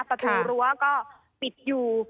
ประตูรั้วก็ปิดอยู่